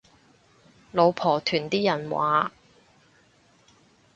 老婆團啲人話